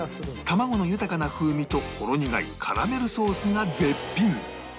卵の豊かな風味とほろ苦いカラメルソースが絶品